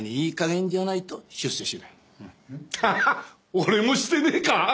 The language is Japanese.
俺もしてねえか！